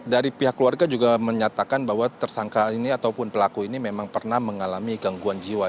dari pihak keluarga juga menyatakan bahwa tersangka ini ataupun pelaku ini memang pernah mengalami gangguan jiwa